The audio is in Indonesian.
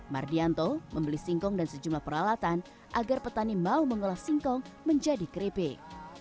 mardianto membeli singkong dan sejumlah peralatan agar petani mau mengolah singkong menjadi keripik